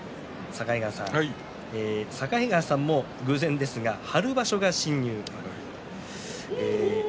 境川さんも偶然ですが春場所が新入幕。